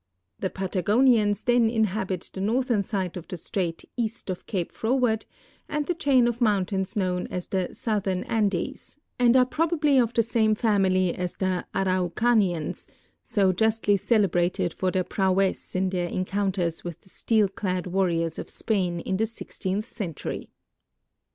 The Patagonians then inhabit the northern side of the strait east of Cape Froward and the chain of mountains known as the Southern Andes, and are probably of the same fcxmil}^ as the Araucanians, so justly celebrated for their prowess in their en counters with the steel clad warriors of Spain in the sixteenth century.